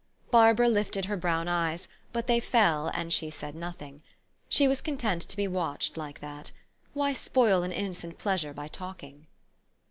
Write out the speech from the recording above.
Barbara lifted her brown eyes ; but they fell, and she said nothing. She was content to be watched like that. Why spoil an innocent pleasure by talk ing?